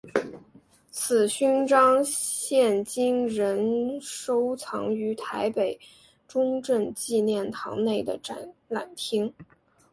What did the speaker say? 此勋章现今仍收藏于台北中正纪念堂内的展览厅。